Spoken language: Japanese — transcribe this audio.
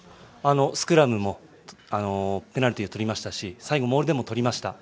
スクラムもペナルティをとりましたし最後、モールでも取りました。